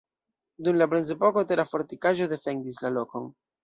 Dum la bronzepoko tera fortikaĵo defendis la lokon.